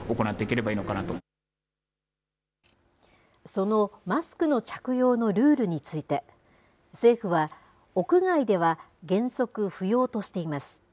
そのマスクの着用のルールについて、政府は、屋外では原則不要としています。